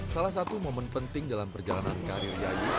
salah satu momen penting dalam perjalanan karir yayu